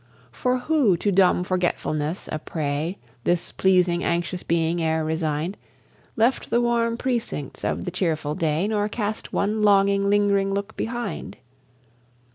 For who to dumb forgetfulness a prey, This pleasing anxious being e'er resigned, Left the warm precincts of the cheerful day, Nor cast one longing, ling'ring look behind?